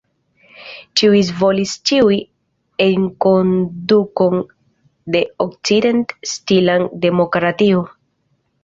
Ĉiuj volis ĉiuj enkondukon de okcident-stilan demokratio.